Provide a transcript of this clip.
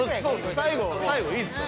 最後最後いいですか？